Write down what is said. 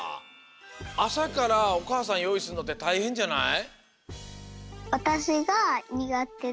あさからおかあさんよういするのってたいへんじゃない？